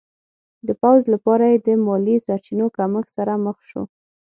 د پوځ لپاره یې د مالي سرچینو کمښت سره مخ شو.